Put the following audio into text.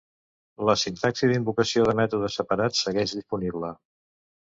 La sintaxi d'invocació de mètode separat segueix disponible.